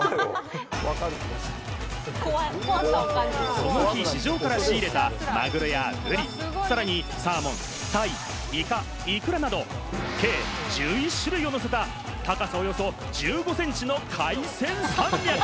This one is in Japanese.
その日、市場から仕入れたマグロやブリ、さらにサーモン、タイ、イカ、イクラなど、計１１種類をのせた、高さおよそ１５ｃｍの海鮮山脈。